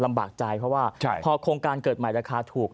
บากใจเพราะว่าพอโครงการเกิดใหม่ราคาถูก